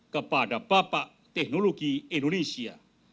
kepada bapak teknologi indonesia